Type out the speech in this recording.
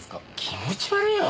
気持ち悪いよ。